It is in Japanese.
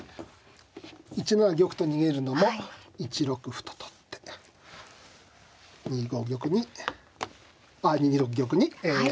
１七玉と逃げるのも１六歩と取って２五玉にあ２六玉に。